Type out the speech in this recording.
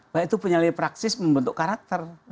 bahwa itu penyalai praksis membentuk karakter